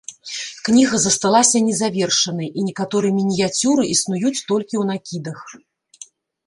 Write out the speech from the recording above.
Кніга засталася незавершанай, і некаторыя мініяцюры існуюць толькі ў накідах.